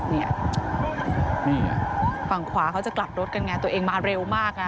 นี่นี่ไงฝั่งขวาเขาจะกลับรถกันไงตัวเองมาเร็วมากนะ